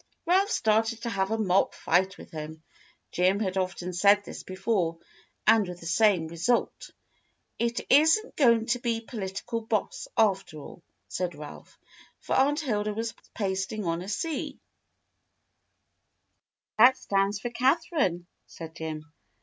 Ralph started to have a mock fight with him. Jim had often said this before, and with the same result. "It isn't going to be 'Political Boss' after all," said Ralph, for Aunt Hilda was pasting on a C "That stands for Catherine," said Jim.